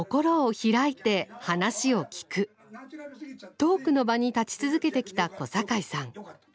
トークの場に立ち続けてきた小堺さん。